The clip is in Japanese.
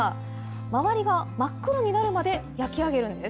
周りが真っ黒になるまで焼き上げるんです。